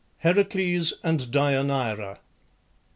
HERACLES AND DEIANEIRA.